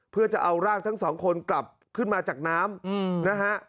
เพื่อจะเอาร่างทั้งสองคนกลับขึ้นมาจากน้ำนะฮะ